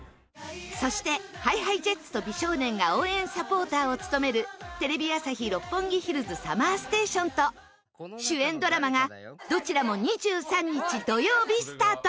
そしてＨｉＨｉＪｅｔｓと美少年が応援サポーターを務めるテレビ朝日・六本木ヒルズＳＵＭＭＥＲＳＴＡＴＩＯＮと主演ドラマがどちらも２３日土曜日スタート。